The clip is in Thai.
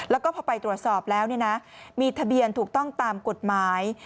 แล้วก็พอไปตรวจสอบแล้วมีทะเบียนถูกต้องตามกฎหมาย